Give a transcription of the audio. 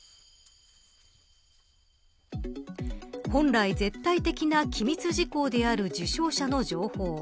本来、絶対的な機密事項である受賞者の情報。